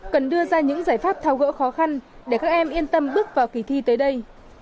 cần đưa ra những giải pháp thao gỡ khó khăn để các em yên tâm bước vào kỳ thi tới đây